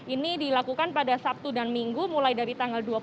ini dilakukan pada sabtu dan minggu mulai dari tanggal dua puluh